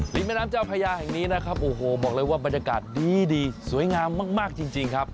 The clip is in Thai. แม่น้ำเจ้าพญาแห่งนี้นะครับโอ้โหบอกเลยว่าบรรยากาศดีสวยงามมากจริงครับ